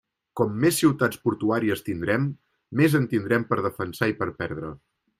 Com més ciutats portuàries tindrem, més en tindrem per defensar i per perdre.